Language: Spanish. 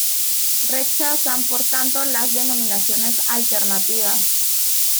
Rechazan por tanto las denominaciones alternativas.